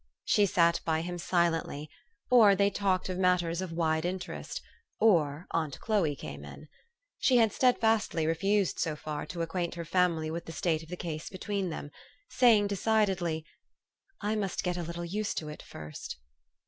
She sat by him silently, or they talked of matters of wide interest, or aunt Chloe came in. She had steadfastly refused so far to acquaint her family with the state of the case between them, say ing decidedly, "I must get a little used to it first."